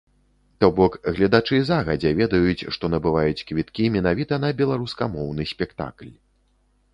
То бок гледачы загадзя ведаюць, што набываюць квіткі менавіта на беларускамоўны спектакль.